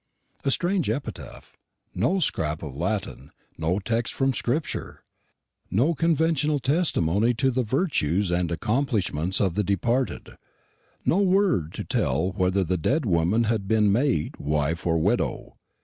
A strange epitaph: no scrap of Latin, no text from Scripture, no conventional testimony to the virtues and accomplishments of the departed, no word to tell whether the dead woman had been maid, wife, or widow.